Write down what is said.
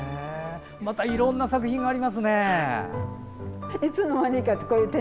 いろんな作品がありますね。